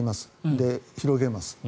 で、広げます。